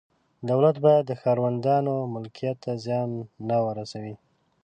دولت باید د ښاروندانو ملکیت ته زیان نه ورسوي.